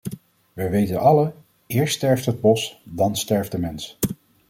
Wij weten allen: eerst sterft het bos, dan sterft de mens.